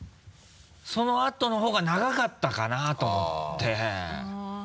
そのあとの方が長かったかな？と思って。